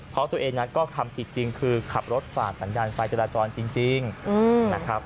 เพราะตัวเองนั้นก็ทำผิดจริงคือขับรถฝ่าสัญญาณไฟจราจรจริงนะครับ